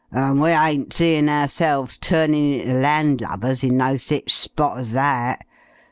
" and we ain't seein' oursel's turning inter land lubbers in no sich spot as that.